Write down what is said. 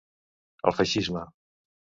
El feixisme